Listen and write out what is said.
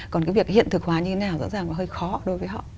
còn cái việc hiện thực hóa như thế nào rõ ràng và hơi khó đối với họ